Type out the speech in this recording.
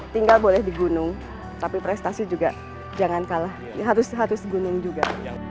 tinggal boleh di gunung tapi prestasi juga jangan kalah harus gunung juga